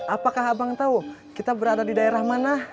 apakah abang tahu kita berada di daerah mana